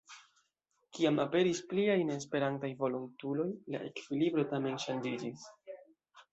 Kiam aperis pliaj neesperantistaj volontuloj la ekvilibro tamen ŝanĝiĝis.